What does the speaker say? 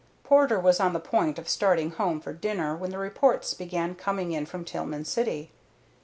Porter was on the point of starting home for dinner when the reports began coming in from Tillman City.